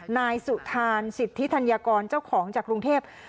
นายสุธานสิทธิธัญกรเจ้าของจากกรุงเทพ